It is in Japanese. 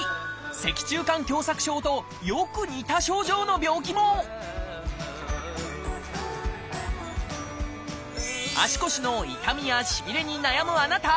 脊柱管狭窄症とよく似た症状の病気も足腰の痛みやしびれに悩むあなた！